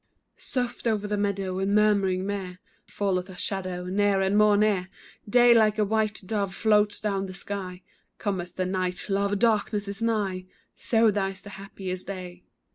Soft o'er the meadow, and murmuring mere, Falleth a shadow, near and more near; Day like a white dove floats down the sky, Cometh the night, love, darkness is nigh; So dies the happiest day.